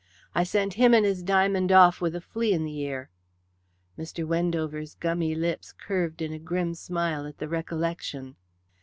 I sent him and his diamond off with a flea in the ear." Mr. Wendover's gummy lips curved in a grim smile at the recollection.